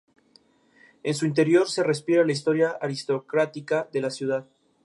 En su interior se respira la historia aristocrática de la ciudad.